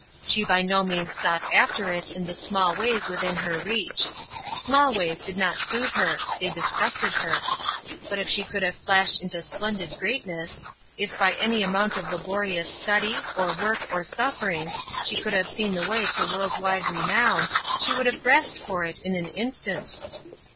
She by no means sought after it in the small ways within her reach. Small ways did not suit her; they disgusted her. But if she could have flashed into splendid greatness, if by any amount of laborious study, or work, or suffering, she could have seen the way to world wide renown she would have grasped for it in an instant.